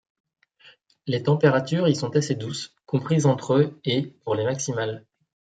Les températures y sont assez douces, comprises entre et pour les maximales.